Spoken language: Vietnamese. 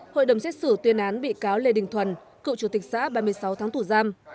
hội đồng xét xử tuyên án bị cáo lê đình thuần cựu chủ tịch xã ba mươi sáu tháng tù giam